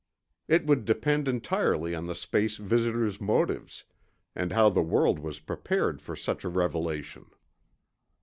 It would depend entirely on the space visitors' motives, and how the world was prepared for such a revelation.